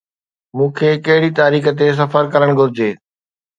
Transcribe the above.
مون کي ڪهڙي تاريخ تي سفر ڪرڻ گهرجي؟